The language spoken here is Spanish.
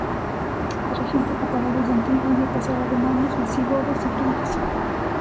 La región fue ocupada desde antiguo, y vio pasar a romanos, visigodos y francos.